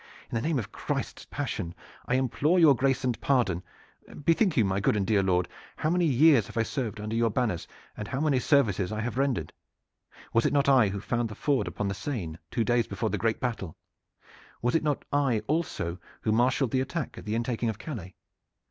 In the name of Christ's passion, I implore your grace and pardon! Bethink you, my good and dear lord, how many years I have served under your banners and how many services I have rendered. Was it not I who found the ford upon the Seine two days before the great battle? Was it not I also who marshaled the attack at the intaking of Calais?